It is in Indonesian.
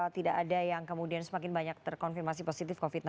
tidak ada yang kemudian semakin banyak terkonfirmasi positif covid sembilan belas